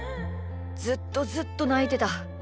ずっとずっとないてた。